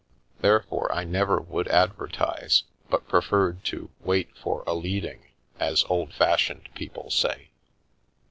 Therefore I never would advertise, but preferred to " wait for a leading," as old fashioned people say.